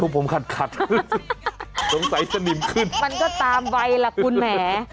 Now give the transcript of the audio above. สงสัยจะนิ่มขึ้นมันก็ตามวัยล่ะคุณแหม